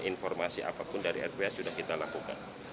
informasi apapun dari rph sudah kita lakukan